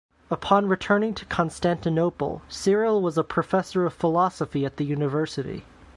Upon returning to Constantinople, Ciril was a professor of philosophy at the university.